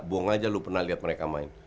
buang aja lu pernah lihat mereka main